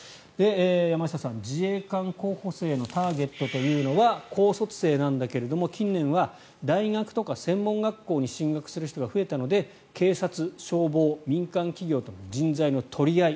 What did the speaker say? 山下さん、自衛官候補生のターゲットというのは高卒生なんだけど近年は大学とか専門学校に進学する人が増えたので警察、消防、民間企業との人材の取り合い